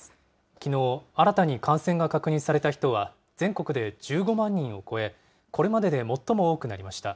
きのう、新たに感染が確認された人は全国で１５万人を超え、これまでで最も多くなりました。